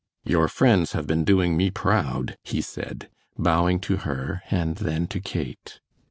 "Your friends have been doing me proud," he said, bowing to her and then to Kate.